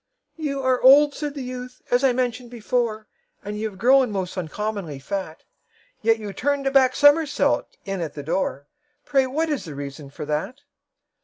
"You are old," said the youth, "as I mentioned before, And you have grown most uncommonly fat; Yet you turned a back somersault in at the door Pray what is the reason for that?"